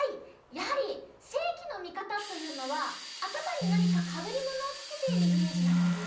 やはりせいぎのみかたというのはあたまになにかかぶりものをつけているイメージなので。